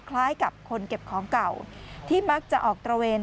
คล้ายกับคนเก็บของเก่าที่มักจะออกตระเวน